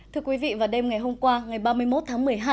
thưa quý vị vào đêm ngày hôm qua ngày ba mươi một tháng một mươi hai